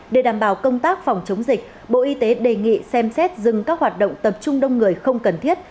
để đảm bảo công tác phòng chống dịch bộ y tế đề nghị xem xét dừng các hoạt động tập trung đông người không cần thiết